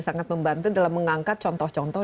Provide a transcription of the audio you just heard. sangat membantu dalam mengangkat contoh contoh